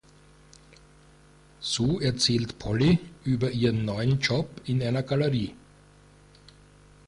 So erzählt Polly über ihren neuen Job in einer Galerie.